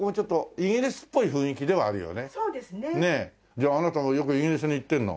じゃああなたはよくイギリスに行ってるの？